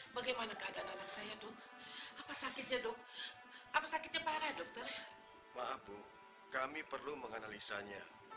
maaf bu kami perlu menganalisanya